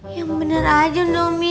yang bener aja nomi